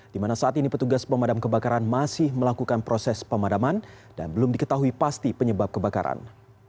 di mana saat ini petugas pemadam kebakaran masih melakukan proses pemadaman dan belum diketahui pasti penyebab kebakaran